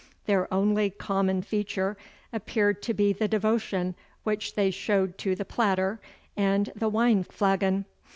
Their only common feature appeared to be the devotion which they showed to the platter and the wine flagon.